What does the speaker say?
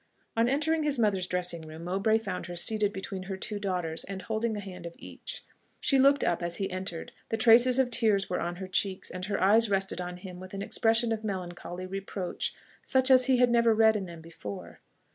On entering his mother's dressing room, Mowbray found her seated between her two daughters, and holding a hand of each. She looked up as he entered: the traces of tears were on her cheeks, and her eyes rested on him with an expression of melancholy reproach such as he had never read in them before.